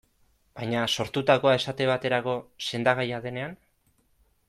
Baina, sortutakoa, esate baterako, sendagaia denean?